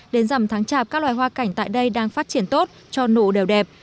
đến dầm tháng chạp các loài hoa cảnh tại đây đang phát triển tốt cho nụ đều đẹp